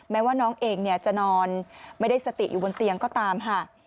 แม้ว่าน้องเองจะนอนไม่ได้สติอยู่บนเตียงก็ตามค่ะ